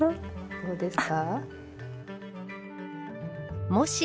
どうですか？